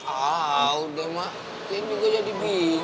aduh mak daddy juga jadi bingung